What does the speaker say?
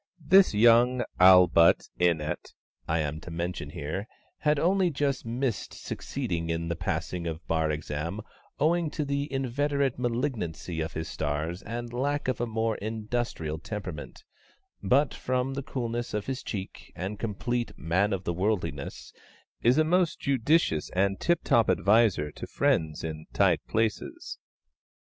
This young ALLBUTT INNETT, I am to mention here, had only just missed succeeding in the passing of Bar Exam owing to the inveterate malignancy of his stars and lack of a more industrial temperament; but from the coolness of his cheek, and complete man of the worldliness, is a most judicious and tip top adviser to friends in tight places.